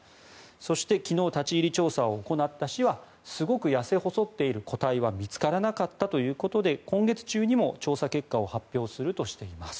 そして、昨日、立ち入り調査を行った市はすごく痩せ細っている個体は見つからなかったということで今月中にも調査結果を発表するとしています。